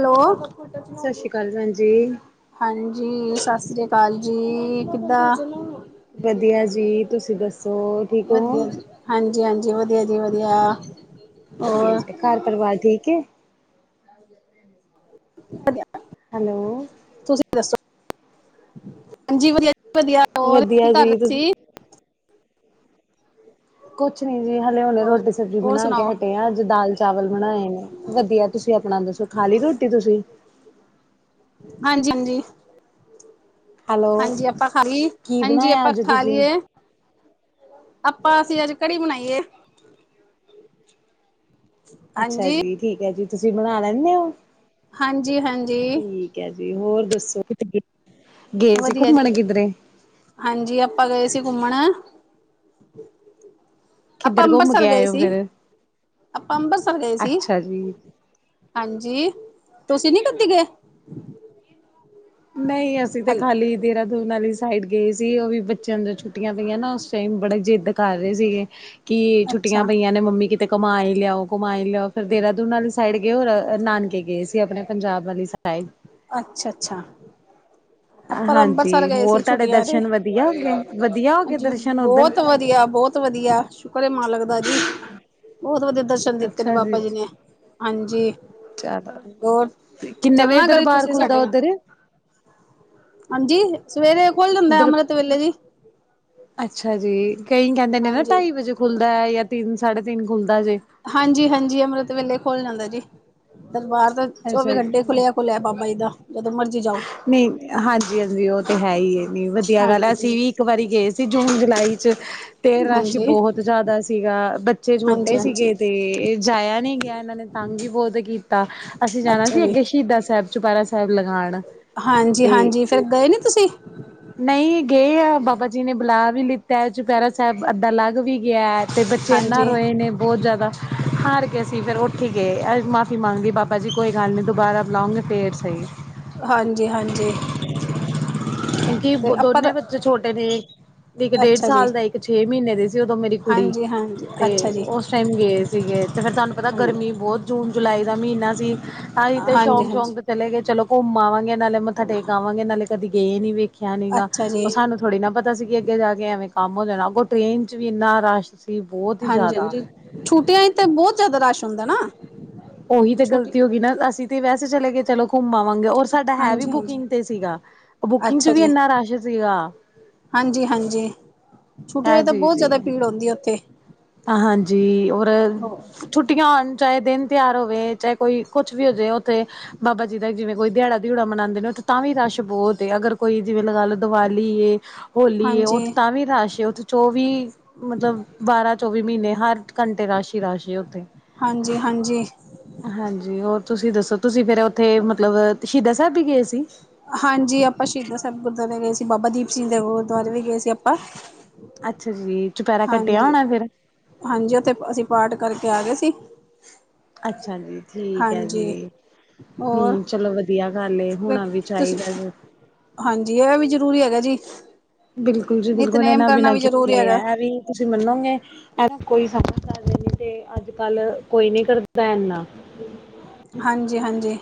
Hello ਸਤਿ ਸ਼੍ਰੀ ਅਕਾਲ ਭੈਣ ਜੀ ਹਾਂਜੀ, ਸਤਿ ਸ੍ਰੀ ਅਕਾਲ ਜੀ ਕਿੱਦਾਂ? ਵਧੀਆ ਜੀ ਤੁਸੀਂ ਦੱਸੋ ਠੀਕ ਹੋ? ਹਾਂਜੀ-ਹਾਂਜੀ ਵਧੀਆ-ਜੀ ਵਧੀਆ। ਵਧੀਆ ਹੋਰ ਜੀ ਘਰ ਪਰਿਵਾਰ ਠੀਕ ਹੈ। ਵਧੀਆ। ਹੈਲੋ। ਤੁਸੀਂ ਦੱਸੋ? ਹਾਂਜੀ ਵਧੀਆ-ਵਧੀਆ ਹੋਰ ਕੀ ਵਧੀਆ ਕਰ ਜੀ ਰਹੇ ਤੁਸੀਂ ਸੀ, ਤੂਸੀਂ? [inaudible] ਕੁਛ ਨੀ ਜੀ, ਹਲੇ- ਹਲੇ ਹੋਰ ਰੋਟੀ, ਸਬਜ਼ੀ ਹੋਰ ਬਣਾ ਕੇ ਸੁਣਾਓ ਹਟੇ ਆ। ਅੱਜ ਦਾਲ ਚਾਵਲ ਬਣਾਏ ਨੇ। ਵਧੀਆ ਤੁਸੀਂ ਆਪਣਾ ਦੱਸੋ ਖਾਲੀ ਰੋਟੀ ਤੁਸੀਂ? ਹਾਂਜੀ- ਹਾਂਜੀ। ਹੈਲੋ ਹਾਂਜੀ ਆਪਾਂ ਖਾਲੀ। ਕੀ ਹਾਂਜੀ ਬਣਾਇਆ ਆਪਾਂ ਅੱਜ ਖਾ ਤੁਸੀਂ ਲਈਏ। ਆਪਾਂ ਅਸੀਂ ਅੱਜ ਕੜੀ ਬਣਾਈ ਏ। ਅੱਛਾ ਜੀ, ਠੀਕ ਹੈ ਜੀ, ਤੁਸੀਂ ਬਣਾ ਲੈਂਦੇ ਹੋ? ਹਾਂਜੀ-ਹਾਂਜੀ। ਠੀਕ ਹੈ ਜੀ ਹੋਰ ਦੱਸੋ ਗਏ ਸੀ ਵਧੀਆ ਜੀ ਘੁੰਮਣ ਕਿੱਧਰੇ ਹਾਂਜੀ ਆਪਾਂ ਗਏ ਸੀ। ਘੁੰਮਣ ਆਪਾਂ ਕਿੱਧਰ ਘੁੰਮ ਅੰਮਰਸਰ ਕੇ ਆਏ ਗਏ ਹੋ ਫਿਰ ਸੀ-ਆਪਾਂ ਅੰਮ੍ਰਿਸਰ ਗਏ ਸੀ। ਅੱਛਾ ਜੀ ਹਾਂਜੀ, ਤੁਸੀਂ ਨੀ ਕੱਦੇ ਗਏ? ਨਹੀਂ ਅਸੀਂ ਤੇ ਹੈਲੋ ਖਾਲੀ ਦੇਹਰਾਦੂਨ ਵਾਲੀ ਸਾਈਡ ਗਏ ਸੀ। ਉਹ ਵੀ ਬੱਚਿਆਂ ਦੀ ਛੁੱਟੀਆਂ ਪਈਆਂ ਨਾ। ਬੜਾ ਜਿੱਦ ਕਰ ਰਹੇ ਸੀਗੇ। ਕਿ ਛੁੱਟੀਆਂ ਅੱਛਾ, ਪਈਆਂ ਨੇ ਮੰਮੀ ਕਿਤੇ ਘਮਾ ਹੀ ਲਿਆਓ। ਘਮਾਈ ਲਿਆਓ। ਫੇਰ ਦੇਹਰਾਦੂਨ ਵਾਲੀ ਸਾਈਡ ਗਏ ਔਰ ਨਾਨਕੇ ਗਏ ਸੀ। ਆਪਣੇ ਪੰਜਾਬ ਵਾਲੀ ਸਾਈਡ। ਅੱਛਾ-ਅੱਛਾ। ਹਾਂਜੀ ਗਏ ਹੋਰ ਸੀ ਤੁਹਾਡੇ ਛੁੱਟੀਆਂ ਤੇ ਦਰਸ਼ਨ ਵਧੀਆ ਹੋ ਗਏ। ਵਧੀਆ ਹੋ ਗਏ ਹਾਂਜੀ, ਦਰਸ਼ਨ ਉੱਧਰ ਬਹੁਤ ਵਧੀਆ ਬਹੁਤ ਬਹੁਤ ਵਧੀਆ ਸ਼ੁਕਰ ਏ ਮਾਲਕ ਦਾ ਜੀ। ਬਹੁਤ ਵਧੀਆ ਦਰਸ਼ਨ ਦਿੱਤੇ ਨੇ ਬਾਬਾ ਜੀ ਨੇ। ਹਾਂਜੀ। ਚਲੋ ਹੋਰ ਤੇ, ਕਿੰਨੇ ਵਜੇ ਚੱਲਣਾ ਕਦੀ ਦਰਬਾਰ ਤੁਸੀਂ ਸਾਡੇ ਖੁੱਲਦਾ ਨਾਲ ਉੱਧਰ। ਹਾਂਜੀ, ਸਵੇਰੇ ਖੁੱਲ ਜਾਂਦਾ ਦਰ ਅੰਮ੍ਰਿਤ ਵੇਲੇ ਜੀ। ਅੱਛਾ ਜੀ, ਕਈ ਕਹਿੰਦੇ ਨੇ ਨਾ ਹਾਂਜੀ। ਢਾਈ ਵਜੇ ਖੁੱਲਦਾ ਹੈ, ਜਾਂ ਤਿੰਨ, ਸਾਢੇ ਤਿੰਨ ਖੁੱਲਦਾ ਜੇ ਹਾਂਜੀ-ਹਾਂਜੀ ਅੰਮ੍ਰਿਤ ਵੇਲੇ ਖੁਲੱ ਜਾਂਦਾ ਜੀ। ਦਰਬਾਰ ਤਾਂ ਚੌਵੀ ਅੱਛਾ ਜੀ ਘੰਟੇ ਖੁੱਲਿਆ ਖੁੱਲਿਆ ਬਾਬਾ ਜੀ ਦਾ। ਜਦੋਂ ਮਰਜ਼ੀ ਜਾਓ। ਨਹੀਂ ਹਾਂਜੀ-ਹਾਂਜੀ ਉਹ ਤੇ ਹੈ ਹੀ ਹੈ। ਨੀ ਵਧੀਆ ਗੱਲ ਅਸੀਂ ਹਾਂਜੀ, ਵੀ ਇੱਕ ਵਾਰੀ ਗਏ ਸੀ ਜੂਨ ਜੁਲਾਈ ਚ। ਤੇ ਰਸ਼ ਸੀ ਹਾਂਜੀ, ਬਹੁਤ। ਤ ਜ਼ਿਆਦਾ ਸੀਗਾ ਬੱਚੇ ਛੋਟੇ ਹਾਂਜੀ, ਸੀਗੇ ਹਾਂਜੀ ਤੇ ਇਹ ਜਾਇਆ ਨੀ ਗਿਆ। ਇਹਨਾਂ ਨੇ ਤੰਗ ਹੀ ਬਹੁਤ ਕੀਤੀ ਤਾਂ, ਅਸੀਂ ਜਾਣਾ ਅੱਛਾ ਸੀ ਜੀ। ਅੱਗੇ ਸ਼ਹੀਦਾਂ ਸਾਹਿਬ। ਚੁਪਾਰਾ ਸਾਹਿਬ ਲਗਾਉਣ। ਤੇ ਹਾਂਜੀ-ਹਾਂਜੀ ਫੇਰ ਗਏ ਨਹੀਂ ਤੁਸੀਂ? ਨਹੀਂ ਗਏ ਆ ਬਾਬਾ ਜੀ ਨੇ ਬੁਲਾ ਵੀ ਲਿੱਤਾ। ਚੁਪਹਿਰਾ ਸਾਹਿਬ ਅੱਧਾ ਲਗ ਵੀ ਗਿਆ ਹੈ। ਅਤੇ ਬੱਚੇ ਇੰਨਾ ਹਾਂਜੀ, ਰੋਏ ਨੇ ਬਹੁਤ ਜ਼ਿਆਦਾ। ਹਾਰ ਕੇ ਅਸੀਂ ਫੇਰ ਉੱਠੀ ਗਏ। ਮਾਫ਼ੀ ਮੰਗ ਲਣੀ ਬਾਬਾ ਜੀ ਕੋਈ ਗੱਲ ਨਹੀਂ ਦੁਬਾਰਾ ਬੁਲਾਉਂਗੇ ਫੇਰ ਸਹੀ। ਹਾਂਜੀ- ਹਾਂਜੀ। ਕਿਉਂਕਿ ਤੇ ਆਪਾਂ ਤਾਂ ਦੋਨੇ ਬੱਚੇ ਛੋਟੇ ਨੇ। ਇੱਕ ਡੇਢ ਅੱਛਾ ਜੀ, ਸਾਲ ਦਾ, ਇੱਕ ਛੇ ਮਹੀਨੇ ਦਾ। ਜਦੋਂ ਮੇਰੀ ਕੁੜੀ ਹਾਂਜੀ, ਹਾਂਜੀ ਤੇ ਅੱਛਾ ਜੀ, ਉਸ ਟਾਈਮ ਗਏ ਸੀਗੇ। ਤੇ ਫੇਰ ਤੁਹਾਨੂੰ ਪਤਾ ਹਾਂਜੀ। ਗਰਮੀ ਬਹੁਤ। ਜੂਨ -ਜੁਲਾਈ ਦਾ ਮਹੀਨਾ ਸੀ। ਆਸੀ ਤੇ ਹਾਂਜੀ, ਸ਼ੌਂਕ- ਹਾਂਜੀ ਸ਼ੌਂਕ ਚਲੇ ਗਏ ਚਲੋ ਘੁੰਮਾਵਾਂਗੇ। ਗੇ ਨਾਲੇ ਮੱਥਾ ਟੇਕ ਆਵਾਂਗੇ, ਨਾਲੇ ਕਦੀ ਗਏ ਨੀ ਵੇਖਿਆ ਨੀ ਗਾ। ਅੱਛਾ ਜੀ, ਉਹ ਸਾਨੂੰ ਥੋੜੀ ਨਾ ਪਤਾ ਸੀ ਕਿ, ਅੱਗੇ ਜਾ ਕੇ ਐਵੇਂ ਕੰਮ ਹੋ ਜਾਣਾ। ਅੱਗੋਂ ਟ੍ਰੇਨ ਚ ਵੀ ਇੰਨਾ ਰਸ਼। ਸੀ ਬਹੁਤ ਹੀ ਹਾਂਜੀ ਜ਼ਿਆਦਾ -ਹਾਂਜੀ ਛੁੱਟਿਆਂ ਹੀ ਤਾਂ ਬਹੁਤ ਜ਼ਿਆਦਾ ਰਸ਼ ਹੁੰਦਾ ਨਾ। ਉਹੀ ਤੇ ਛੁੱਟੀ ਗਲਤੀ ਹੋ ਗਈ ਨਾ, ਅਸੀਂ ਤੇ ਵੈਸੇ ਚਲੇ ਗਏ ਚਲੋ। ਘੁੰਮ ਆਵਾਂਗੇ ਔਰ ਸਾਡਾ ਹੈ ਵੀ ਹਾਂਜੀ, ਹਾਂਜੀ ਬੁਕਿੰਗ ਤੇ ਸੀਗਾ। ਬੁਕਿੰਗ ਚ ਅੱਛਾ ਵੀ ਜੀ, ਇੰਨਾ ਰਸ਼ ਸੀਗਾ। ਹਾਂਜੀ- ਹਾਂਜੀ ਛੁਟੀਆ ਇਹ ਤਾਂ ਬਹੁਤ ਚੀਜ਼ ਜ਼ਿਆਦਾ ਏ ਭੀੜ ਹੁੰਦੀ ਹੈ ਉੱਥੇ ਹਾਂਜੀ ਔਰ ਛੁੱਟੀਆਂ ਹੋਣ ਚਾਹੇ ਦਿਨ ਤਿੳਹਾਰ ਹੋਵੇ। ਚਾਹੇ ਕੋਈ ਕੁਛ ਵੀ ਹੋ ਜਾਏ ਉੱਥੇ ਬਾਬਾ ਜੀ ਦਾ ਜਿਵੇ ਕੋਈ ਦਿਹਾੜਾ ਦਿਉੜਾ ਮਨਾਣੇ ਨੇ। ਤਾਂ ਵੀ ਰਸ਼ ਬਹੁਤ ਅਗਰ ਕੋਈ ਜਿਵੇਂ ਲਗਾ ਲਓ ਦਿਵਾਲੀ ਏ। ਹੋਲੀ ਏ ਹਾਂਜੀ, ਉੱਥੇ ਤਾਂ ਵੀ ਰਸ਼ ਉੱਥੇ ਚੌਵੀ ਮਤਲਬ ਬਾਰਾਂ ਚੌਵੀ ਮਹੀਨੇ ਹਰ ਘੰਟੇ ਰਸ਼ ਈ ਰਸ਼ ਉਥੇ ਹਾਂਜੀ, ਹਾਂਜੀ। ਹਾਂਜੀ ਹੋਰ ਤੁਸੀਂ ਦੱਸੋ ਤੁਸੀਂ ਫਿਰ ਉੱਥੇ ਮਤਲਬ ਸ਼ਹੀਦਾ ਸਾਹਿਬ ਵੀ ਗਏ ਸੀ। ਹਾਂਜੀ ਆਪਾਂ ਸ਼ਹੀਦਾਂ ਸਾਹਿਬ ਗੁਰਦੁਆਰੇ ਗਏ ਸੀ ਬਾਬਾ ਦੀਪ ਸਿੰਘ ਦੇ ਗੁਰਦੁਆਰੇ ਵੀ ਗਏ ਸੀ ਆਪਾਂ ਅੱਛਾ ਜੀ ਚੁਪਹਿਰਾ ਕੱਟਿਆ ਹਾਂਜੀ, ਹੋਣਾ ਫੇਰ ਹਾਂਜੀ ਉੱਥੇ ਅਸੀਂ ਪਾਠ ਕਰਕੇ ਆ ਗਏ ਸੀ। ਅੱਛਾ ਜੀ ਠੀਕ ਹੈ ਹਾਂਜੀ। ਜੀ ਹੋਰ ਨਹੀਂ ਚਲੋ ਵਧੀਆ ਗੱਲ ਏ ਹੋਣਾ ਵੀ ਤੁਸੀਂ ਚਾਹੀਦਾ ਜੀ। ਹਾਂਜੀ ਇਹ ਵੀ ਜ਼ਰੂਰੀ ਹੈਗਾ ਜੀ। ਬਿਲਕੁਲ ਜੀ ਬਿਲਕੁਲ ਨਿਤਨੇਮ ਇਹਨਾਂ ਕਰਨਾ ਬਿਨਾਂ ਵੀ ਕਿੱਥੇ ਜ਼ਰੂਰੀ ਆ ਹੈਗਾ ਇਹ ਵੀ ਤੁਸੀਂ ਮੰਨੋਗੇ ਕੋਈ [unintelligible] ਤੇ ਅੱਜ ਕੱਲ ਕੋਈ ਨੀ ਕਰਦਾ ਏਨਾ ਹਾਂਜੀ- ਹਾਂਜੀ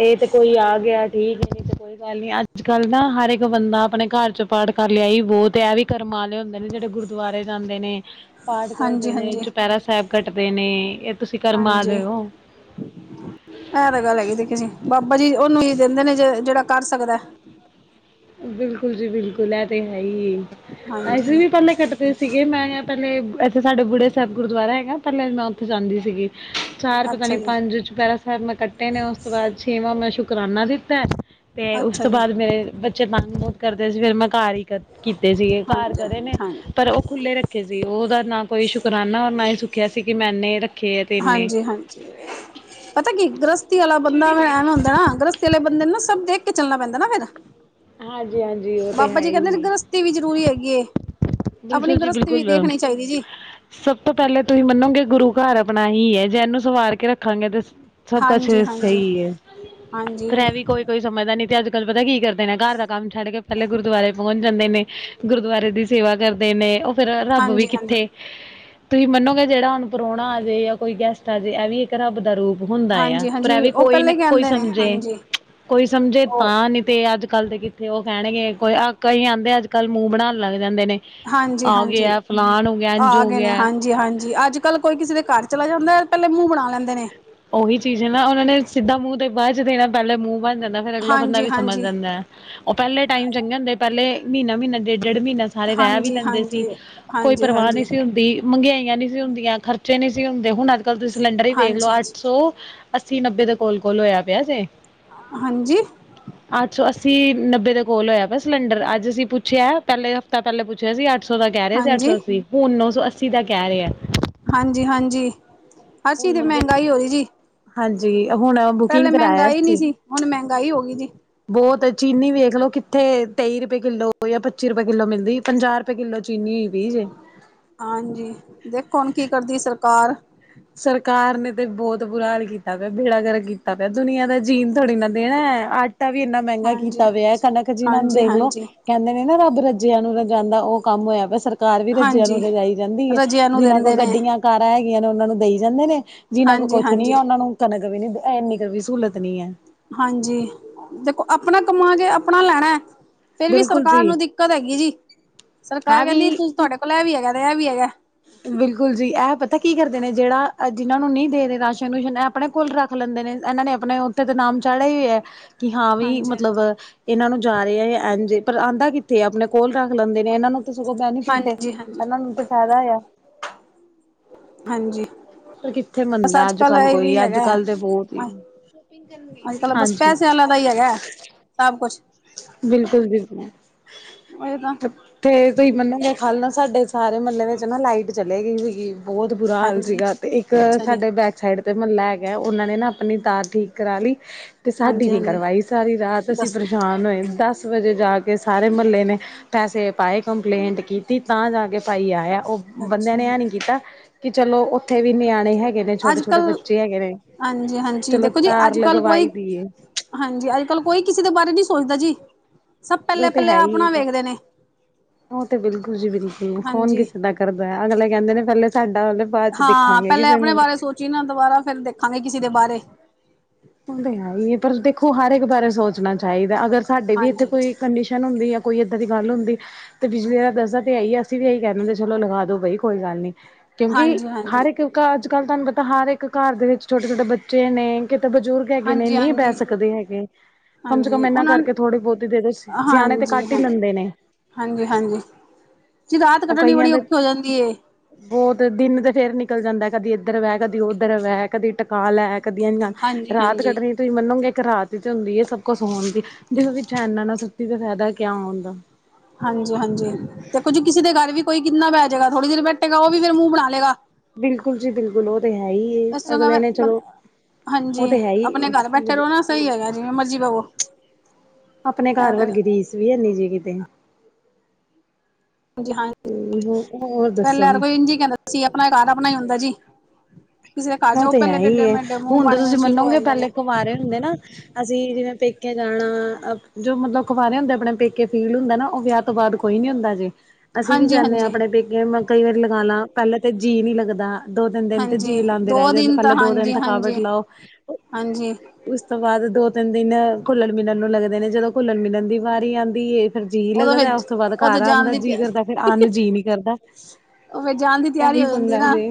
ਇਹ ਤੇ ਕੋਈ ਆ ਗਿਆ ਠੀਕ ਏ ਇਹ ਤੇ ਕੋਈ ਗੱਲ ਨੀ ਅੱਜ ਕੱਲ ਨਾ ਹਰ ਇੱਕ ਬੰਦਾ ਆਪਣੇ ਘਰ 'ਚੋ ਪਾਠ ਕਰ ਲਿਆ ਇਹੀ ਬਹੁਤ ਏ ਇਹ ਵੀ ਕਰਮ ਵਾਲੇ ਹੁੰਦੇ ਨੇ ਜਿਹੜੇ ਗੁਰਦੁਆਰੇ ਜਾਂਦੇ ਨੇ। ਪਾਠ ਹਾਂਜੀ ਕਰਦੇ ਨੇ ਹਾਂਜੀ ਚੁਪਹਿਰਾ ਸਾਹਿਬ ਕੱਟਦੇ ਨੇ ਇਹ ਤੁਸੀਂ ਕਰਮਾ ਹਾਂਜੀ ਵਾਲੇ ਓ। ਇਹ ਤਾਂ ਗੱਲ ਹੈਗੀ ਦੇਖੀ ਜੀ ਬਾਬਾ ਜੀ ਉਹਨੂੰ ਹੀ ਦਿੰਦੇ ਨੇ ਜੇ ਜਿਹੜਾ ਕਰ ਸਕਦਾ। ਬਿਲਕੁਲ ਜੀ ਬਿਲਕੁਲ ਇਹ ਤੇ ਹੈ ਈ ਏ। ਹਾਂਜੀ ਅਸੀ ਵੀ ਪਹਿਲੇ ਕੱਟ ਸੀਗੇ ਮੈਂ ਪਹਿਲੇ ਇੱਥੇ ਸਾਡੇ ਬੁੜਿਏ ਸਾਹਿਬ ਗੁਰਦੁਆਰਾ ਹੈਗਾ ਪਹਿਲਾਂ ਮੈਂ ਉੱਥੇ ਜਾਂਦੀ ਸੀਗੀ। ਚਾਰ ਪਤਾ ਅੱਛਾ ਨਹੀਂ ਜੀ ਪੰਜ ਚੁਪਿਹਰਾ ਥ ਮੈਂ ਕੱਟੇ ਨੇ ਉਸ ਤੋਂ ਬਾਅਦ ਛੇਵਾਂ ਮੈਂ ਸ਼ੁਕਰਾਨਾ ਦਿੱਤਾ ਅਤੇ ਉਸ ਅੱਛਾ ਤੋਂ ਜੀ ਬਾਅਦ ਮੇਰੇ ਬੱਚੇ ਤੰਗ ਬਹੁਤ ਕਰਦੇ ਸੀ ਫਿਰ ਮੈਂ ਘਰ ਹੀ ਕੀਤੇ ਸੀਗੇ ਘਾਰ ਹਾਂਜੀ ਕਰੇ ਨੇ। ਹਾਂ ਪਰ ਉਹ ਖੁੱਲ੍ਹੇ ਰੱਖੇ ਸੀ ਉਹਦਾ ਨਾ ਕੋਈ ਸ਼ੁਕਰਾਨਾ ਔਰ ਨਾ ਹੀ ਸੁੱਖਿਆ ਸੀ ਕਿ ਮੈਂ ਇਨੇ ਰੱਖ ਹਾਂਜੀ- ਹਾਂਜੀ ਪਤਾ ਕੀ ਗ੍ਰਸਤੀ ਵਾਲਾ ਬੰਦਾ ਐਵੇਂ ਹੁੰਦਾ ਨਾ ਗ੍ਰਸ ਚਲੇ ਬੰਦੇ ਨੇ ਨਾ ਸਭ ਦੇਖ ਕੇ ਚੱਲਣਾ ਪੈਂਦਾ ਨਾ ਫਿਰ ਹਾਂਜੀ ਹਾਂਜੀ ਉਹ ਤੇ ਬਾਬਾ ਹੈ ਜੀ ਕਹਿੰਦੇ ਹੀ ਗ੍ਰਸ ਵੀ ਜਰੂਰੀ ਹੈਗੀ ਆਪਣੀ ਬਿਲਕੁਲ ਜੀ ਗ੍ਰਸਤੀ ਵੀ ਬਿਲਕੁਲ ਦੇਖਣੀ ਚਾਹੀਦੀ ਜੀ। ਸਭ ਤੋਂ ਪਹਿਲੇ ਤੁਸੀਂ ਮੰਨੋ ਗੇ ਗੁਰੂ ਘਰ ਆਪਣਾ ਇਹੀ ਏ ਜੇ ਇਹਨੂੰ ਸਵਾਰ ਕੇ ਰੱਖਾਂਗੇ ਤੇ ਸਭ ਕ ਹਾਂਜੀ ਸੇ ਹਾਂਜੀ ਸਹੀ ਏ ਫਰੈ ਹਾਂਜੀ ਇਹ ਵੀ ਕੋਈ ਕੋਈ ਸਮਝਦਾ ਨੀ ਤੇ ਅੱਜ ਕੱਲ ਪਤਾ ਕੀ ਕਰਦੇ ਨੇ ਘਰ ਦਾ ਕੰਮ ਛੱਡ ਕੇ ਪਹਿਲੇ ਗੁਰਦੁਆਰੇ ਪਹੁੰਚ ਜਾਂਦੇ ਨੇ। ਗੁਰਦੁਆਰੇ ਦੀ ਸੇਵਾ ਕਰਦੇ ਨੇ ਉਹ ਫਿਰ ਰੱਬ ਵੀ ਹਾਂਜੀ ਹਾਂਜੀ ਕਿੱਥੇ ਤੁਸੀਂ ਮੰਨੋਗੇ ਜਿਹੜਾ ਹੁਣ ਪ੍ਰਾਹੁਣਾ ਆ ਜੇ ਜਾਂ ਕੋਈ ਗੈਸਟ ਆ ਜਾ ਇਹ ਵੀ ਇੱਕ ਰੱਬ ਦਾ ਰੂਪ ਹੁੰਦਾ ਆ ਹਾਂਜੀ ਪਰ ਹਾਂਜੀ ਇਹ ਵੀ ਉਹ ਕੋਈ ਪਹਿਲਾਂ ਨਾ ਹੀ ਕੋਈ ਕਹਿੰਦੇ ਨੇ ਸਮਝੇ। [inaudible] ਹਾਂਜੀ ਕੋਈ ਸਮਝੇ ਉਹ ਤਾਂ ਨੀ ਤੇ ਅੱਜ ਕੱਲ ਦੇ ਕਿਥੇ ਉਹ ਕਹਿਣਗੇ ਕੋਈ ਕਈ ਆਂਦੇ ਅੱਜ- ਕੱਲ੍ਹ ਮੂੰਹ ਬਣਾਉਣ ਲਗ ਜਾਂਦੇ ਨੇ। ਆ ਹਾਂਜੀ-ਹਾਂਜੀ ਗਿਆ ਫਲਾਨ ਹੋ ਗਿਆ ਇੰਝ ਆ ਹੋ ਗਏ ਨੇ ਗਿਆ ਹਾਂਜੀ-ਹਾਂਜੀ ਅੱਜ ਕੱਲ ਕੋਈ ਕਿਸੇ ਦੇ ਘਰ ਚਲਾ ਜਾਂਦਾ ਏ। ਪਹਿਲੇ ਮੂੰਹ ਬਣਾ ਲੈਂਦੇ ਨੇ। ਉਹੀ ਚੀਜ਼ ਹੈ ਨਾ ਉਹਨਾਂ ਨੇ ਸਿੱਧਾ ਮੂੰਹ ਤੇ ਬਾਅਦ 'ਚ ਦੇ ਨਾ ਪਹਿਲੇ ਮੂੰਹ ਬਣ ਜਾਂਦਾ ਫਰ ਅਗਲਾ ਬੰਦਾ ਹਾਂਜੀ ਵੀ ਸਮਝ ਹਾਂਜੀ ਜਾਂਦਾ। ਉਹ ਪਹਿਲੇ ਟਾਈਮ ਚੰਗੇ ਹੁੰਦੇ ਪਹਿਲੇ ਮਹੀਨਾ- ਮਹੀਨਾ ਡੇਢ- ਡੇਢ ਮਹੀਨਾ ਸਾਰੇ ਰਹਿ ਵੀ ਹਾਂਜੀ ਲੈਂਦੇ ਸੀ। ਹਾਂਜੀ ਕੋਈ ਹਾਂਜੀ ਪਰਵਾਹ ਹਾਂਜੀ ਨਹੀਂ ਹਾਂਜੀ ਸੀ ਹੁੰਦੀ ਮਹਿੰਗਾਈਆਂ ਨਹੀਂ ਸੀ ਹੁੰਦੀਆਂ ਖਰਚੇ ਨਹੀਂ ਸੀ ਹੁੰਦੇ ਹੁਣ ਅੱ ਅੱਜ ਕੱਲ ਤੁਸੀਂ ਸਿਲੰਡਰ ਹੀ ਵੇਖ ਲਓ ਹਾਂਜੀ ਅੱਠ ਸੌ ਅੱਸੀ ਨੱਬੇ ਦੇ ਕੋਲ- ਕੋਲ ਹੋਇਆ ਪਿਆ ਜੇ ਹਾਂਜੀ ਅੱਠ ਸੋ ਅੱਸੀ ਨੱਬੇ ਦੇ ਕੋਲ ਹੋਇਆ ਵ ਸਿਲੰਡਰ ਅੱਜ ਅਸੀਂ ਪੁੱਛਿਆ ਪਹਿਲੇ ਤਾਂ ਪਹਿਲੇ ਪੁੱਛਿਆ ਸੀ ਅੱਠ ਸੌ ਦਾ ਕਹਿ ਰਿਹਾ ਸੀ ਅੱਠ ਹਾਂਜੀ ਸੌ ਅੱਸੀ ਹੁਣ ਨੌ ਸੌ ਅੱਸੀ ਦਾ ਕਹਿ ਰਿਹਾ। ਹਾਂਜੀ- ਹਾਂਜੀ ਹਰ ਹੁਣ ਚੀਜ਼ ਤੇ ਮੰਗਿਆ ਮਹਿੰਗਾਈ ਹੋ ਰਹੀ ਜੀ। ਹਾਂਜੀ ਹੁਣ ਪਹਿਲੇ ਬੁਕਿੰਗ ਕਰਾਇਆ ਮਹਿੰਗਾਈ ਨਹੀਂ ਸੀ ਹੁਣ ਮਹਿੰਗਾਈ ਹੋ ਗਈ ਜੀ। ਬਹੁਤ ਚੀਨੀ ਵੇਖ ਲਓ ਕਿੱਥੇ ਤੇਈ ਰੁਪਏ ਕਿੱਲੋ ਜਾਂ ਪੱਚੀ ਰੁਪਏ ਕਿੱਲੋ ਮਿਲਦੀ ਪੰਜਾਹ ਕਿੱਲੋ ਚੀਨੀ ਹੋਈ ਵੀ ਜੇ ਹਾਂਜੀ ਦੇਖੋ ਹੁਣ ਕੀ ਕਰਦੀ ਸਰਕਾਰ ਸਰਕਾਰ ਨੇ ਤੇ ਬਹੁਤ ਬੁਰਾ ਹਾਲ ਕੀਤਾ ਪਿਆ ਬੇੜਾਗਰ ਕੀਤਾ ਪਿਆ ਦੁਨੀਆਂ ਦਾ ਜੀਨ ਥੋੜੀ ਨਾ ਦੇਣਾ ਹੈ। ਆਟਾ ਵੀ ਇੰਨਾ ਮਹਿੰਗਾ ਹਾਂਜੀ ਕੀਤਾ ਪਿਆ ਹਾਂਜੀ ਕਣਕ ਜਿਨਾਂ ਨੂੰ ਹਾਂਜੀ ਦੇਖ ਲੋ ਹਾਂਜੀ ਕਹਿੰਦੇ ਨੇ ਨਾ ਰੱਬ ਰੱਜਿਆਂ ਨੂੰ ਰਜ ਜਾਂਦਾ ਉਹ ਕੰਮ ਹੋਇਆ ਸਰ ਕਾਰ ਵੀ ਰੱਜਿਆਂ ਨੂੰ ਹਾਂਜੀ ਰਜਾਈ ਜਾਂਦੀ ਹੈ ਰਜਿਆਂ ਨੂੰ ਜਿਨਾਂ ਕੋਲ ਦਿੰਦੇ ਨੇ ਗੱਡੀਆਂ ਕਾਰਾਂ ਹੈਗੀਆਂ ਨੇ ਉਹਨਾਂ ਨੂੰ ਜਾਂਦੇ ਨੇ ਜਿਨਾ ਕੋਲ ਹਾਂਜੀ ਕੁਛ ਨੀ ਹਾਂਜੀ ਆ ਉਹਨਾ ਨੂੰ ਕਣਕ ਨੀ ਇਨੀ ਸਹੂਲਤ ਨੀ ਹੈ। ਹਾਂਜੀ ਦੇਖੋ ਆਪਣਾ ਕਮਾਂਗੇ ਆਪਣਾ ਲੈਣਾ ਹੈ। ਫਿਰ ਵੀ ਬਿਲਕੁਲ ਸਰਕਾਰ ਜੀ ਨੂੰ ਦਿੱਕਤ ਹੈਗੀ ਜੀ ਸਰਕਾਰ ਇਹ ਕਹਿੰਦੀ ਵੀ ਤੁਹਾਡੇ ਕੋਲ ਇਹ ਵੀ ਹੈਗਾ ਤੇ ਇਹ ਵੀ ਹੈਗਾ। ਬਿਲਕੁਲ ਜੀ ਇਹ ਪਤਾ ਕੀ ਕਰਦੇ ਨੇ ਜਿਹੜਾ ਜਿਹਨਾਂ ਨੂੰ ਨਹੀਂ ਦੇ ਰਾਸ਼ਨ -ਰੂਸ਼ਨ ਇਹ ਆਪਣੇ ਕੋਲ ਰੱਖ ਲੈਂਦੇ ਨੇ ਇਹਨਾਂ ਨੇ ਆਪਣੇ ਉੱਥੇ ਤਾਂ ਨਾਮ ਚਾੜੇ ਹੀ ਹੈ। ਕਿ ਹਾਂ ਵੀ ਹਾਂਜੀ ਮਤਲਬ ਇਹਨਾਂ ਨੂੰ ਜਾ ਰਹੇ ਆ ਇਝੇ ਪਰ ਆਉਂਦਾ ਕਿੱਥੇ ਆਪਣੇ ਕੋਲ ਰੱਖ ਲੈਂਦੇ। ਇਹਨਾਂ ਨੂੰ ਤਾਂ ਸਗੋਂ ਬੈਨੀਫਿਟ ਏ ਹਾਂਜੀ ਹਾਂਜੀ ਇਹਨਾਂ ਨੂੰ ਤਾਂ ਫਾਇਦਾ ਆ। ਹਾਂਜੀ ਪਰ ਕਿੱਥੇ ਬਸ ਮੰਨਦਾ ਅੱਜ ਕੱਲ ਇਹ ਕੋਈ ਵੀ ਅੱਜ ਹੈਗਾ ਕੱਲ ਤੇ ਬਹੁਤ ਹੀ ਸ਼ੋਪਿੰਗ ਕਰਨ ਅੱਜ ਕੱਲ ਬਸ ਪੈਸੇ ਵਾਲਿਆਂ ਦਾ ਹੀ ਹੈਗਾ ਸਭ ਕੁਛ ਬਿਲਕੁਲ ਬਿਲਕੁਲ ਤਾਂ ਤੁਸੀਂ ਮੰਨੋਗੇ ਕੱਲ ਨਾ ਸਾਡੇ ਸਾਰੇ ਮਹੱਲੇ ਵਿੱਚ ਨਾ ਲਾਈਟ ਚਲੇ ਗਈ ਸੀਗੀ ਬਹੁਤ ਬੁਰਾ ਹਾਲ ਹਾਂਜੀ ਸੀਗਾ ਤੇ ਇੱਕ ਅੱਛਾ ਜੀ ਸਾਡੇ ਬੈਗ ਸਾਈਡ 'ਤੇ ਮਹੱਲਾ ਹੈਗਾ ਉਹਨਾਂ ਨੇ ਨਾ ਆਪਣੀ ਤਾਰ ਠੀਕ ਕਰਾ ਲਈ ਤੇ ਸਾਡੀ ਹਾਂਜੀ ਨੀ ਹਾਂਜੀ ਕਰਵਾਈ ਸਾਰੀ ਰਾਤ ਅਸੀਂ ਦੱਸੋ ਪਰੇਸ਼ਾਨ ਹੋਏ ਦਸ ਵਜੇ ਜਾ ਕੇ ਸਾਰੇ ਮਹੱਲੇ ਨੇ ਪਸੇ ਪਾਏ ਕੰਪਲੇਂਟ ਕੀਤੀ ਤਾਂ ਜਾ ਕੇ ਭਾਈ ਆਇਆ ਉਹ ਬੰਦਿਆਂ ਅੱਛਾ ਨੇ ਜੀ ਹੈ ਨਹੀਂ ਕੀਤਾ ਕਿ ਚਲੋ ਉੱਥੇ ਵੀ ਨਿਆਣੇ ਹੈਗੇ ਹੈਗੇ ਨੇ ਛੋਟੇ ਅੱਜ ਛੋਟੇ ਕੱਲ ਬੱਚੇ ਹੈਗੇ ਨੇ ਹਾਂਜੀ ਹਾਂਜੀ ਚਲੋ ਦੇਖੋ ਜੀ ਧਾਰ ਅੱਜ ਕੱਲ ਲਗਵਾਈ ਕੋਈ ਦੀਏ ਹਾਂਜੀ ਅੱਜ ਕੱਲ ਕੋਈ ਕਿਸੇ ਦੇ ਬਾਰੇ ਨਹੀਂ ਸੋਚਦਾ ਜੀ ਸਭ ਉਹ ਪਹਿਲੇ ਤੇ ਪਹਿਲੇ ਹੈ ਹੀ ਆਪਣਾ ਜੀ ਵੇਖਦੇ ਨੇ ਉਹ ਤੇ ਬਿਲਕੁਲ ਜੀ ਬਿਲਕੁਲ ਕੌਣ ਹਾਂਜੀ ਕਿਸੇ ਦਾ ਕਰਦਾ ਅਗਲੇ ਕਹਿੰਦੇ ਨੇ ਪਹਿਲੇ ਸਾਡਾ ਹੁੰਦਾ ਦੇ ਬਾਅਦ ਚ ਦੇਖਾਂਗੇ ਕਿਸੇ ਨੂੰ ਚੀਨਾ ਦੁਬਾਰਾ ਫਿਰ ਦੇਖਾਂਗੇ ਕਿਸੇ ਦੇ ਬਾਰੇ ਉਹ ਤਾਂ ਹੈ ਹੀ ਹੈ ਪਰ ਦੇਖੋ ਹਰ ਇੱਕ ਬਾਰੇ ਸੋਚਣਾ ਚਾਹੀਦਾ ਅਗਰ ਸਾਡੇ ਵੀ ਇੱਥੇ ਹਾਂਜੀ ਕੋਈ ਕੰਡੀਸ਼ਨ ਹੁੰਦੀ ਹੈ। ਕੋਈ ਇੱਦਾਂ ਦੀ ਗੱਲ ਹੁੰਦੀ ਤੇ ਬਿਜਲੀ ਦੱਸਾਂ ਤੇ ਆਈਏ ਅਸੀਂ ਵੀ ਇਹੀ ਕਹਿੰਦੇ ਹੁੰਦੇ ਚਲੋ ਲਗਾ ਦੋ ਬਈ ਕੋਈ ਗੱਲ ਨੀ ਕਹਿੰਦੀ ਹਾਂਜੀ ਹਾਂਜੀ ਹਰ ਇੱਕ ਘਰ ਅੱਜ ਕੱਲ ਤੁਹਾਨੂੰ ਪਤਾ ਹਰ ਇੱਕ ਘਰ ਦੇ ਵਿੱਚ ਛੋਟੇ ਛੋਟੇ ਬੱਚੇ ਨੇ ਕਿਤੇ ਬਜ਼ੁਰਗ ਹੈਗੇ ਨੇ ਹਾਂਜੀ ਨਹੀਂ ਬਹਿ ਹਾਂਜੀ ਸਕਦੇ ਹੈਗੇ ਕਮ ਸੇ ਕਮ ਹਾਂਜੀ ਇਹਨਾਂ ਉਹਨਾਂ ਕਰਕੇ ਥੋੜੀ ਬਹੁਤੀ ਹੀ ਦੇ ਦ ਸਿਆਣੇ ਤੇ ਹਾਂਜੀ ਕੱਟ ਹੀ ਹਾਂਜੀ ਲੈਂਦੇ ਨੇ ਹਾਂਜੀ ਹਾਂਜੀ ਚ ਰਾਤ ਉਹ ਕੱਢਣੀ ਕਈਆਂ ਬੜੀ ਦੇ ਔਖੀ ਹੋ ਜਾਂਦੀ ਹੈ। ਬਹੁਤ ਦਿਨ ਤੇ ਫਿਰ ਨਿਕਲ ਜਾਂਦਾ ਕਦੀ ਇੱਧਰ ਵੈ ਕਦੀ ਉੱਧਰ ਵੈ ਕਦੀ ਟਕਾ ਲੈ ਕਦੀ ਹਾਂਜੀ ਰਾਤ ਹਾਂਜੀ ਕੱਢਣੀ ਤੁਸੀਂ ਮੰਨੋਗੇ ਇੱਕ ਰਾਤ ਹੀ ਤੇ ਹੁੰਦੀ ਹੈ ਸਭ ਕੁਛ ਸੋਣ ਦੀ ਜਿੰਨਾ ਵਿੱਚ ਇਹਨਾਂ ਨੂੰ ਇਦਾਂ ਫਾਇਦਾ ਕਿਆ ਹੁੰਦਾ ਹਾਂਜੀ-ਹਾਂਜੀ ਤੇ ਕੁੱਝ ਕਿਸੇ ਦੇ ਘਰ ਵੀ ਕੋਈ ਕਿੰਨਾ ਬਹਿ ਜਾਏਗਾ ਥੋੜੀ ਦੇਰ ਬੈਠ ਗਾ ਉਹ ਵੀ ਫਿਰ ਮੂੰਹ ਬਣਾ ਲਏਗਾ ਬਿਲਕੁਲ ਜੀ ਬਿਲਕੁਲ ਉਹ ਤੇ ਹੈ ਹੀ ਇਸ ਤਰ੍ਹਾਂ ਅਗਲੇ ਨੇ ਮੈਂ ਚਲੋ ਉਹ ਹਾਂਜੀ ਤੇ ਹੈ ਆਪਣੇ ਹੀ ਘਰ ਬੈਠੇ ਰਹੋ ਨਾ ਸਹੀ ਹੈਗਾ ਜਿਵੇਂ ਮਰਜ਼ੀ ਬਵੋ ਆਪਣੇ ਘਰ ਵਰ ਰੀਸ ਵੀ ਹੈਨੀ ਜੇ ਕਿਤੇ ਹਾਂ ਹੋਰ ਪਹਿਲਾਂ ਦੱਸੋ ਕੋਈ ਇੰਝ ਕਹਿੰਦਾ ਸੀ ਆਪਣਾ ਘਰ ਆਪਣਾ ਹੀ ਹੁੰਦਾ ਜੀ। ਕਿਸੇ ਦੇ ਘਰ ਉਹ ਜਾਓ ਤੇ ਹੈ ਪਹਿਲੇ ਟੇਡੇ ਹੀ ਮੇਡੇ ਮੂੰਹ ਹੁਣ ਤਾਂ ਬਣੇ ਤੁਸੀਂ ਸ਼ੁਰੂ ਹੋ ਮੰਨੋਗੇ ਜਾਂਦੇ ਨੇ ਪਹਿਲੇ ਕੁਵਾਰੇ ਹੁੰਦੇ ਨਾ। ਅਸੀਂ ਜਿਵੇਂ ਪੇਕੇ ਜਾਣਾ ਜੋ ਮਤਲਬ ਖਬਾਰੇ ਹੁੰਦੇ ਆਪਣੇ ਪੇਕੇ ਫੀਲ ਹੁੰਦਾ ਨਾ ਉਹ ਵਿਆਹ ਤੋਂ ਬਾਅਦ ਕੋਈ ਨੀ ਹੁੰਦਾ ਜੇ। ਅਸੀਂ ਵੀ ਹਾਂਜੀ ਜਾਂਨੇ ਹਾਂ ਹਾਂਜੀ। ਆਪਣੇ ਪੇਕੇ ਮੈਂ ਕਈ ਵਾਰੀ ਲਗਾਣਾ ਪਹਿਲਾਂ ਤਾਂ ਜੀਅ ਨੀ ਲੱਗਦਾ। ਦੋ ਤਿੰਨ ਦਿਨ ਤੇ ਹਾਂਜੀ ਜੀਅ ਲਾਉਂਦੇ ਰਹਿ ਦੋ ਜਾਂਦੇ, ਦੇ ਦਿਨ ਤਾਂ ਪਹਿਲੇ ਦੋ ਦਿਨ ਹਾਂਜੀ ਹਾਂਜੀ ਥਕਾਵਟ ਲਾਯੋ। ਹਾਂਜੀ ਉਸ ਤੋਂ ਬਾਅਦ ਦੋ ਤਿੰਨ ਦਿਨ ਘੁੱਲਣ ਮਿਲਣ ਨੂੰ ਲੱਗਦੇ ਨੇ, ਜਦੋਂ ਘੁੱਲਣ ਮਿਲਣ ਦੀ ਵਾਰੀ ਆਉਂਦੀ ਏ ਫਿਰ ਜੀਅ ਉਦੋਂ ਲੱਗਦਾ, ਫਿਰ ਉਸ ਤੋਂ ਬਾਅਦ ਉਦੋਂ ਘਰ ਜਾਣ ਆਂਦਾ ਦੀ ਜੀਅ ਤਿਆਰੀ ਕਰਦਾ, ਫਿਰ ਆਣ ਨੂੰ ਜੀਅ ਨਹੀਂ ਕਰਦਾ। ਉਹ ਫਿਰ ਜਾਣ ਦੀ ਐ ਤਿਆਰੀ ਹੀ ਹੋ ਜਾਂਦੀ ਪੰਗਾ ਨਾ ਜੇ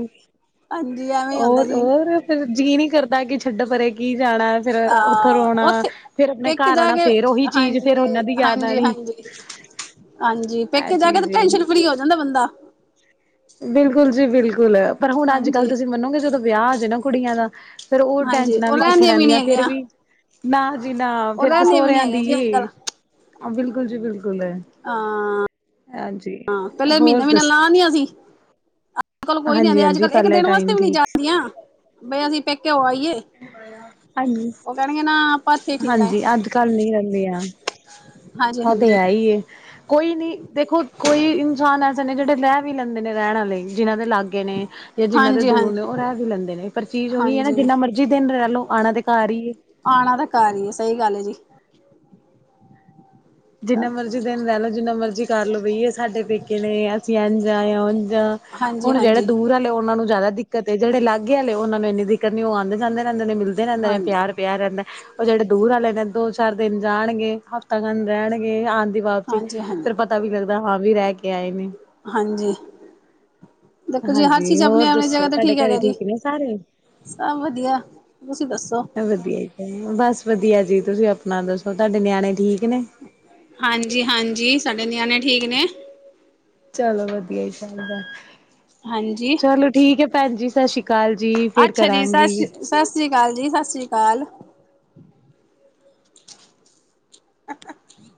ਹਾਂਜੀ ਐਵੇਂ ਹੁੰਦਾ ਹੋਰ ਜੀ ਹੋਰ, ਫੇਰ ਜੀਅ ਨਹੀਂ ਕਰਦਾ, ਕਿ ਛੱਡ ਪਰੇ। ਕੀ ਜਾਣਾ, ਫੇਰ ਉੱਥੋਂ ਅਹ ਰੋਣਾ, ਉੱਥੇ ਫੇਰ ਆਪਣੇ ਪੇਕੇ ਘਰ ਜਾ ਆਣਾ ਕੇ ਫੇਰ ਉਹੀ ਚੀਜ਼, ਫੇਰ ਹਾਂਜੀ ਉਹਨਾਂ ਦੀ ਯਾਦ ਹਾਂਜੀ ਆਣੀ। ਹਾਂਜੀ ਹ [unintelligible] ਹਾਂਜੀ, ਪੇਕੇ ਜਾ ਕੇ ਤੇ ਟੈਨਸ਼ਨ ਫਰੀ ਹੋ ਜਾਂਦਾ ਬੰਦਾ। ਬਿਲਕੁਲ ਜੀ ਬਿਲਕੁਲ, ਪਰ ਹੁਣ ਅੱਜ ਕੱਲ੍ਹ ਹਾਂਜੀ ਤੁਸੀਂ ਮੰਨੋਗੇ, ਜਦੋਂ ਵਿਆਹ ਆ ਜਾਏ, ਨਾ ਕੁੜੀਆਂ ਦਾ ਫਿਰ ਉਹ ਹਾਂਜੀ ਟੈਨਸ਼ਨਾਂ ਉਹ ਵੀ ਕਿੱਥੇ ਨੀ ਰਹਿੰਦੀਆਂ, ਫਿਰ ਹੈਗੀਆਂ ਵੀ ਨਾ ਜੀ ਨਾ, ਉਹ ਫੇਰ ਤਾਂ ਰਹਿੰਦੀਆਂ ਵੀ ਨੀ ਸੋਹਰਿਆਂ ਹੈਗੀਆਂ ਦੀ, ਜੀ ਅੱਜ ਕੱਲ ਬਿਲਕੁਲ ਜੀ ਬਿਲਕੁਲ ਹਾਂ ਹਾਂਜੀ ਹਾਂ ਪਹਿਲੇ ਹੋਰ ਮਹੀਨਾ, ਮਹੀਨਾ ਦੱਸ ਲਾਂਅ ਆਂਦਿਆਂ ਸੀ। ਅੱਜ ਕੱਲ ਕੋਈ ਨੀ ਹਾਂਜੀ ਆਉਂਦੀ, ਹਾਂਜੀ ਅੱਜ-ਕੱਲ ਇੱਕ ਪਹਿਲੇ ਦਿਨ ਵਾਸਤੇ ਟਾਈਮ ਵੀ ਨੀ ਠੀਕ ਸੀ ਜਾਦਿਆਂ ਬਈ ਅਸੀਂ ਪੇਕੇ ਹੋ ਆਇਏ। ਹਾਂਜੀ, ਨਾ ਆਪਾਂ ਇੱਥੇ ਠੀਕ ਆਏ ਹਾਂਜੀ ਅੱਜ-ਕੱਲ ਨੀ ਰਹਿੰਦਿਆਂ, ਹਾਂਜੀ ਉਹ ਤੇ ਹਾਂਜੀ ਹੈ ਹੀ। ਕੋਈ ਨਹੀਂ, ਦੇਖੋ ਕੋਈ ਇਨਸਾਨ ਐਸੇ ਨੇ ਜਿਹੜੇ ਰਹਿ ਵੀ ਲੈਂਦੇ ਨੇ, ਰਹਿਣ ਵਾਲੇ, ਜਿਹਨਾਂ ਦੇ ਲਾਗੇ ਨੇ, ਜਾਂ ਜਿੰਨਾ ਦੇ ਹਾਂਜੀ ਦੂਰ ਨੇ, ਹਾਂਜੀ ਉਹ ਰਹਿ ਵੀ ਲੈਂਦੇ ਨੇ, ਪਰ ਚੀਜ਼ ਉਹੀ ਹੈ ਨਾ, ਹਾਂਜੀ ਜਿੰਨਾ ਮਰਜ਼ੀ ਦਿਨ ਰਹਿ ਲੋ, ਆਣਾ ਤੇ ਘਾਰ ਹੀ ਏ, ਆਉਣਾ ਤਾਂ ਘਾਰ ਹੀ ਏ, ਸਹੀ ਗੱਲ ਐ। ਜਿੰਨਾ ਮਰਜ਼ੀ ਦਿਨ ਰਹਿ ਲਓ, ਜਿੰਨਾ ਮਰਜ਼ੀ ਕਰ ਲਓ, ਬਈ ਏ ਸਾਡੇ ਪੇਕੇ ਨੇ, ਅਸੀਂ ਇੰਝ ਆ, ਯਾ ਉਝ ਆਂ ਹਾਂਜੀ ਹੁਣ ਜਿਹੜੇ ਹਾਂਜੀ ਦੂਰ ਆਲੇ, ਉਹਨਾਂ ਨੂੰ ਜ਼ਿਆਦਾ ਦੀ ਕਤੇ ਜਿਹੜੇ ਲਾਗੇ ਆ, ਉਹਨਾਂ ਨੂੰ ਇੰਨੀ ਦਿੱਕਤ ਨੀ ਉਹ ਆਉਦੇ ਜਾਂਦੇ ਰਹਿੰਦੇ ਨੇ, ਮਿਲਦੇ ਰਹਿੰਦੇ ਨੇ, ਹਾਂਜੀ ਪਿਆਰ ਪਿਆ ਰਹਿੰਦਾ। ਉਹ ਜਿਹੜੇ ਦੂਰ ਆਲੇ ਨੇ, ਦੋ ਚਾਰ ਦਿਨ ਜਾਣਗੇ, ਹਫ਼ਤਾ ਬੰਦ ਰਹਿਣਗੇ ਆ ਦੀ ਵਾਪਸੀ, ਹਾਂਜੀ ਹਾਂਜੀ ਫਿਰ ਪਤਾ ਵੀ ਲੱਗਦਾ, ਹਾਂ ਵੀ ਰਹਿ ਕੇ ਆਏ ਨੇ। ਹਾਂਜੀ, ਦੇਖੋ ਜੀ ਹਰ ਹਾਂਜੀ, ਚੀਜ਼ ਆਪਣੀ ਹੋਰ ਆਪਣੀ ਦੱਸੋ, ਜਗ੍ਹਾ ਤੇ ਤੁਹਾਡੇ ਘਰੇ ਹੈਗਾ ਜੀ ਠੀਕ ਨੇ ਸਾਰੇ? ਸਭ ਵਧੀਆ, ਤੁਸੀਂ ਦੱਸੋ? ਵਧੀਆ, ਬਸ ਵਧੀਆ ਜੀ, ਤੁਸੀਂ ਆਪਣਾ ਦੱਸੋ, ਤੁਹਾਡੇ ਨਿਆਣੇ ਠੀਕ ਨੇ? ਹਾਂਜੀ-ਹਾਂਜੀ, ਸਾਡੇ ਨਿਆਣੇ ਠੀਕ ਨੇ, ਚਲੋ ਵਧੀਆ ਹੀ ਸਬ, ਹਾਂਜੀ ਚਲੋ ਠੀਕ ਹੈ, ਭੈਣ ਜੀ ਸਤਿ ਸ਼੍ਰੀ ਅਕਾਲ। ਅਕਾਲ ਜੀ, ਫੇਰ ਅੱਛਾ ਜੀ ਸਤਿ ਕਰਾਂਗੀ। ਸ੍ਰੀ ਸਤਿ ਸ਼੍ਰੀ ਅਕਾਲ ਜੀ, ਸਤਿ ਸ਼੍ਰੀ ਅਕਾਲ ਅ [unintelligible] ਹੂੰ,